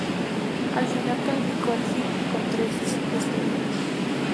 Al final, calificó al filme con tres de cinco estrellas.